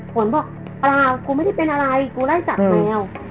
ฝนบอกเปล่ากูไม่ได้เป็นอะไรกูไล่กัดแมว